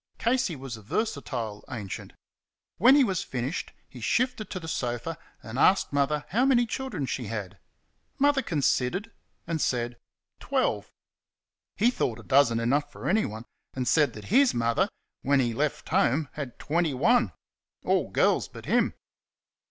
Casey was a versatile ancient. When he was finished he shifted to the sofa and asked Mother how many children she had. Mother considered and said, "Twelve." He thought a dozen enough for anyone, and, said that HIS mother, when he left home, had twenty one all girls but him.